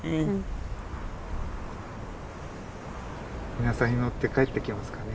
イナサに乗って帰ってきますかね。